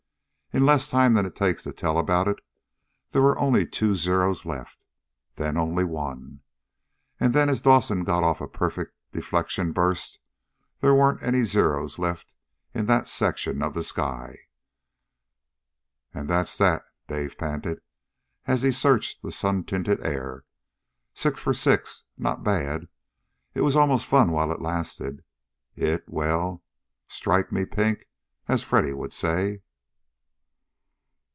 In less time than it takes to tell about it, there were only two Zeros left. Then only one. And then, as Dawson got off a perfect deflection burst, there weren't any Zeros left in that section of the sky. "And that's that!" Dave panted as he searched the sun tinted air. "Six for six. Not bad. It was almost fun while it lasted. It well, strike me pink, as Freddy would say!"